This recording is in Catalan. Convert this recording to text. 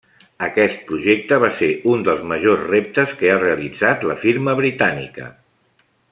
Aquest projecte va ser un dels majors reptes que ha realitzat la firma britànica.